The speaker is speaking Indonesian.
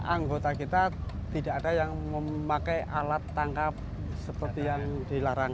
anggota kita tidak ada yang memakai alat tangkap seperti yang dilarang